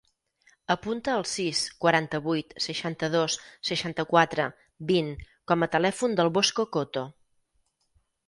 Apunta el sis, quaranta-vuit, seixanta-dos, seixanta-quatre, vint com a telèfon del Bosco Coto.